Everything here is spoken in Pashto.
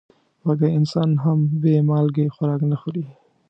وږی انسان هم بې مالګې خوراک نه خوري.